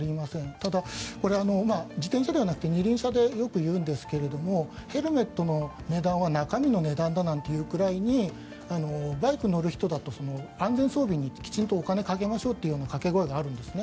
ただ、自転車ではなくて二輪車でよく言うんですがヘルメットの値段は中身の値段だというくらいにバイク乗る人だと安全装備にきちんとお金をかけましょうなんていう掛け声があるんですね。